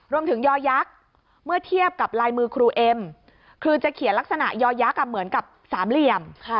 ยอยักษ์เมื่อเทียบกับลายมือครูเอ็มคือจะเขียนลักษณะยอยักษ์เหมือนกับสามเหลี่ยม